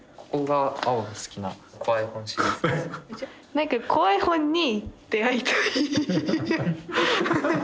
なんか怖い本に出会いたい。